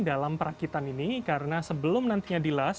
dalam perakitan ini karena sebelum nantinya dilas